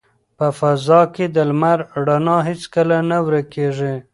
په فضا کې د لمر رڼا هیڅکله نه ورکیږي.